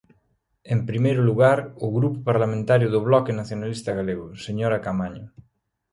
En primeiro lugar, o Grupo Parlamentario do Bloque Nacionalista Galego, señora Caamaño.